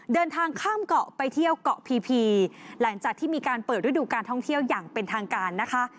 เดินทางข้ามเกาะไปเที่ยวเกาะพีพีหลังจากที่มีการเปิดฤดูการท่องเที่ยวอย่างเป็นทางการนะคะ